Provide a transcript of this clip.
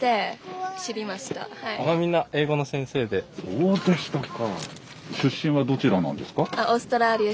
そうでしたか。